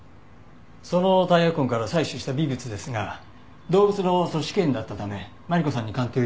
そのタイヤ痕から採取した微物ですが動物の組織片だったためマリコさんに鑑定を依頼しました。